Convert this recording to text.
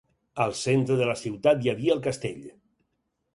Al centre de la ciutat hi havia el castell.